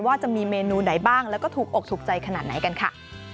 ว่าจะมีเมนูไหนบ้างแล้วก็ถูกอกถูกใจขนาดไหนกันค่ะ